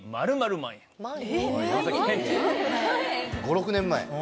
５６年前。